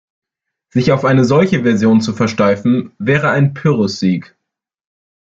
Sich auf eine solche Version zu versteifen, wäre ein Pyrrhus-Sieg.